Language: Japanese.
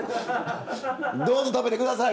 どうぞ食べて下さい！